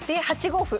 ８五歩。